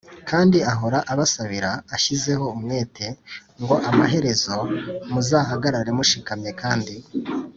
kandi ahora abasabira ashyizeho umwete ngo amaherezo muzahagarare mushikamye kandi